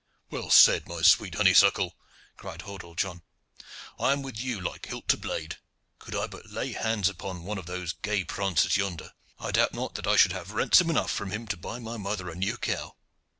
"Well said, my sweet honeysuckle!" cried Hordle John. "I am with you, like hilt to blade. Could I but lay hands upon one of those gay prancers yonder, I doubt not that I should have ransom enough from him to buy my mother a new cow."